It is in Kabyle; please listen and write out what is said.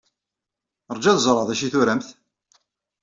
Ṛju ad ẓreɣ d acu ay turamt.